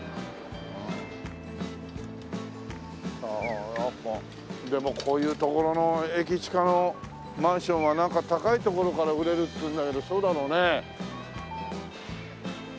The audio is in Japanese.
ああやっぱりでもこういう所の駅近のマンションはなんか高い所から売れるっつうんだけどそうだろうね。